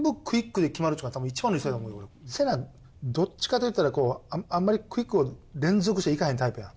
セナどっちかといったらあんまりクイックを連続していかへんタイプやん。